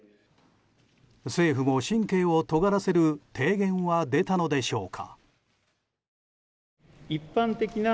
政府も神経をとがらせる提言は出たのでしょうか。